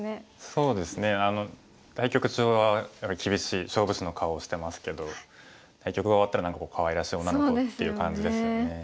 そうですね対局中はやっぱり厳しい勝負師の顔をしてますけど対局が終わったらかわいらしい女の子っていう感じですよね。